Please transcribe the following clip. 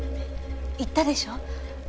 言ったでしょ？